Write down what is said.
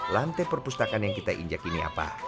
lantai perpustakaan yang kita injak ini apa